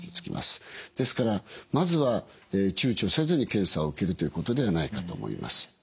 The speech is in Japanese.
ですからまずは躊躇せずに検査を受けるということではないかと思います。